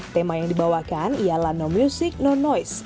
tema yang dibawakan ialah non music non noise